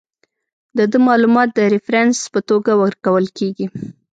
د ده معلومات د ریفرنس په توګه ورکول کیږي.